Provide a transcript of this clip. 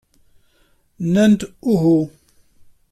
Nnan-d uhu.